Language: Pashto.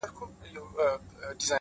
• مشر هم خیالي زامن وه زېږولي ,